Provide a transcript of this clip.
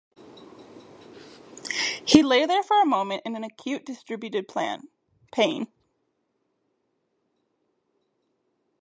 He lay there for a moment in acute distributed pain.